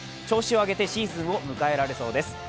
調子を上げてシーズンを迎えられそうです。